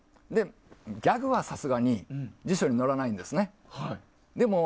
ギャグは、さすがに辞書に載らないんですね。